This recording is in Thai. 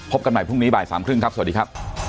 กันใหม่พรุ่งนี้บ่ายสามครึ่งครับสวัสดีครับ